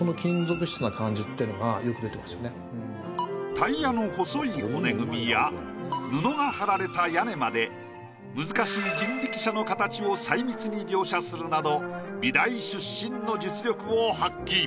タイヤの細い骨組みや布が貼られた屋根まで難しい人力車の形を細密に描写するなど美大出身の実力を発揮。